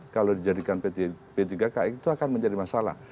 kalau dijadikan p tiga ki itu akan menjadi masalah